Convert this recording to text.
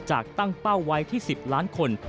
ตั้งเป้าไว้ที่๑๐ล้านคน